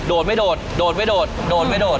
ดไม่โดดโดดไม่โดดโดดไม่โดด